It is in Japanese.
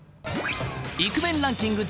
イクメンランキング